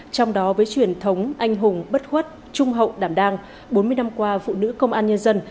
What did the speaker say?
trong đó với truyền thống anh hùng bất khuất trung hậu đảm đang bốn mươi năm qua phụ nữ công an nhân dân